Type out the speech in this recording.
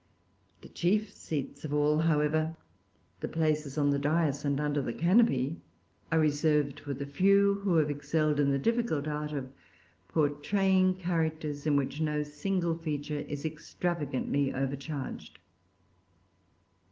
The chief seats of all, however, the places on the dais and under the canopy, are reserved for the few who have excelled in the difficult art of portraying characters in which no single feature is extravagantly overcharged.